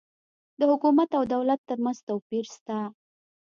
د حکومت او دولت ترمنځ توپیر سته